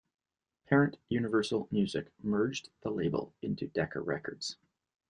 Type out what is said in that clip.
Parent Universal Music merged the label into Decca Records.